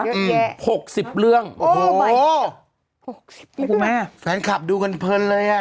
เยอะแยะ๖๐เรื่องโอ้โหฟันคลับดูกันเพลินเลย